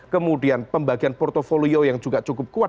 kemudian pembagian portfolio yang juga cukup kuat